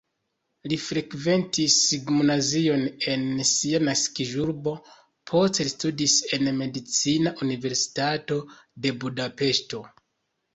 Li frekventis gimnazion en sia naskiĝurbo, poste li studis en Medicina Universitato de Budapeŝto.